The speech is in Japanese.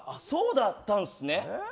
そうだったんですね。